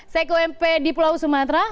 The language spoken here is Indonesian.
jmp di pulau sumatera